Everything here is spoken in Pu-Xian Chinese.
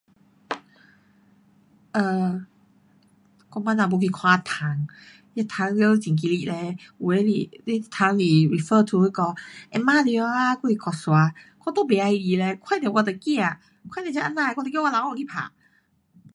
um 我 mana 要去看虫。那虫全部很 geli leh 有的是虫是 refer to 那个壁虎啦还是蟑螂。我都不喜欢嘞，看到我都怕。看到这啊哪的我得叫我老公去打。